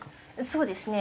そうですね。